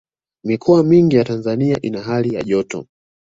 mikoa mingi ya tanzania ina hali ya joto